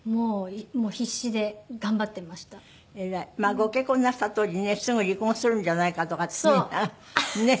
ご結婚なすった当時ねすぐ離婚するんじゃないかとかってねみんなねえ。